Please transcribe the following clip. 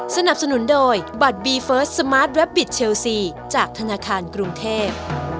สนับสนุนโดยบัตรบีเฟิร์สสมาร์ทแวบบิตเชลซีจากธนาคารกรุงเทพ